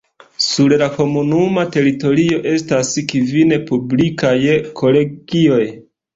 Sur la komunuma teritorio estas kvin publikaj kolegioj.